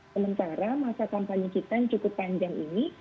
sementara masa kampanye kita yang cukup panjang ini